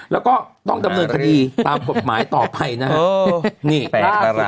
แล้วก็ต้องการเงินคดีตามกฎหมายต่อไปนะ